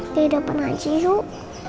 tidak pernah sih yuk